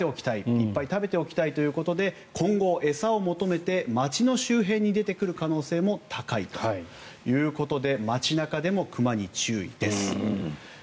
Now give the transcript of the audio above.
いっぱい食べておきたいということで今後、餌を求めて街の周辺に出てくる可能性も高いということで街中でも熊に注意です。